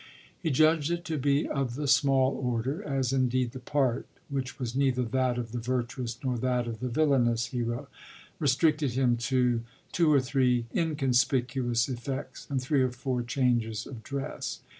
He judged it to be of the small order, as indeed the part, which was neither that of the virtuous nor that of the villainous hero, restricted him to two or three inconspicuous effects and three or four changes of dress.